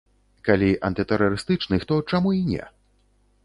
Калі антытэрарыстычных, то чаму і не?